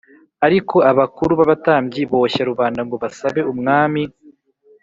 Ariko abakuru b abatambyi boshya rubanda ngo basabe umwami